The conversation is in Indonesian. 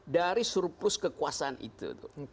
dari surplus kekuasaan itu